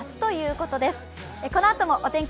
このあともお天気